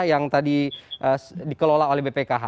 yang tadi dikelola oleh bpkh